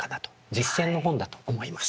実践の本だと思います。